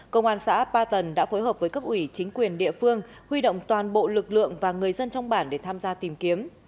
công an xã ba tần đã phối hợp với cấp ủy chính quyền địa phương huy động toàn bộ lực lượng và người dân trong bản để tham gia tìm kiếm